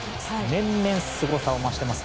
年々すごさを増しています。